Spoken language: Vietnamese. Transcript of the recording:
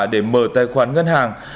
để mở tài khoản ngân hàng